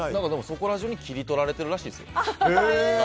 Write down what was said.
そこらじゅうに切り取られてるらしいです。